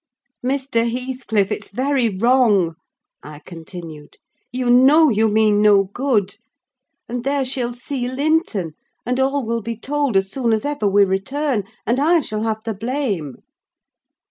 "Mr. Heathcliff, it's very wrong," I continued: "you know you mean no good. And there she'll see Linton, and all will be told as soon as ever we return; and I shall have the blame."